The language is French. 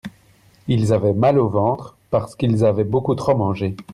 Ils avaient mal au ventre parce qu'ils avaient beaucoup trop mangé.